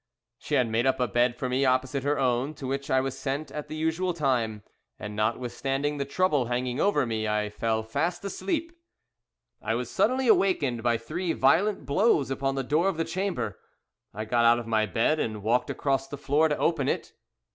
"She had made up a bed for me opposite her own, to which I was sent at the usual time, and, notwithstanding the trouble hanging over me, I feel fast asleep. "I was suddenly awakened by three violent blows upon the door of the chamber; I got out of bed and walked across the floor to open it.